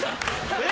えっ？